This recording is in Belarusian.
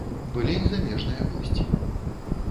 Былі і замежныя госці.